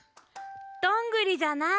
どんぐりじゃない！